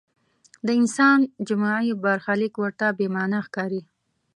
د انسان جمعي برخلیک ورته بې معنا ښکاري.